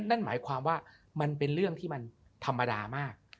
นั่นหมายความว่ามันเป็นเรื่องที่มันธรรมดามาก